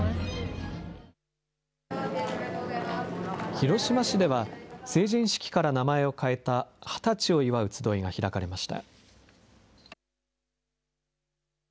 広島市では、成人式から名前を変えた、二十歳を祝うつどいが開かれました。